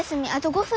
５分。